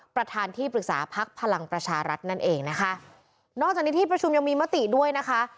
ประธานที่ปรึกษาพักพลังประชารัฐนั่นเองนะคะนอกจากนี้ที่ประชุมยังมีมติด้วยนะคะ